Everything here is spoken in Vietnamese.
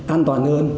an toàn hơn